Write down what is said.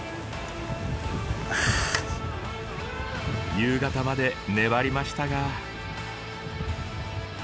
夕方まで粘りましたが。